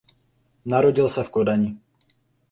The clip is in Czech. Narodil se v Kodani.